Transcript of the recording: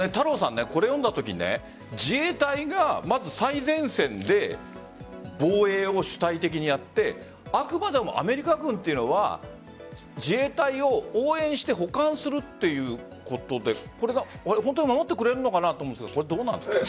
これを読んだときに自衛隊がまず最前線で防衛を主体的にやってあくまでもアメリカ軍というのは自衛隊を応援して補完するということでこれを守ってくれるのかなと思うんですが、どうですか？